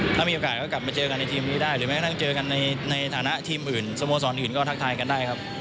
ถ้ามีโอกาสก็กลับมาเจอกันในทีมนี้ได้หรือแม้กระทั่งเจอกันในฐานะทีมอื่นสโมสรอื่นก็ทักทายกันได้ครับ